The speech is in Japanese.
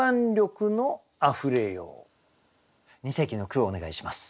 二席の句お願いします。